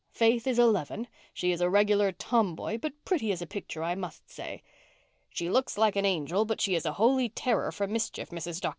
Faith is eleven. She is a regular tomboy but pretty as a picture, I must say." "She looks like an angel but she is a holy terror for mischief, Mrs. Dr.